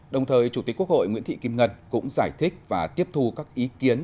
đồng thời chủ tịch quốc hội nguyễn thị kim ngân cũng giải thích và tiếp thu các ý kiến